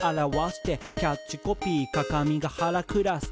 「キャッチコピー『かかみがはらｃｌａｓｓ』」